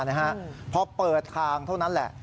เนี้ยคระพอเปิดคลางเท่านั้นแหละ